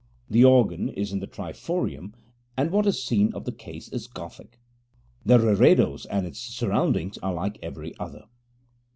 The organ is in the triforium, and what is seen of the case is Gothic. The reredos and its surroundings are like every other.